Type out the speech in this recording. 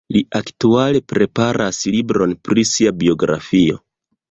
Li aktuale preparas libron pri sia biografio.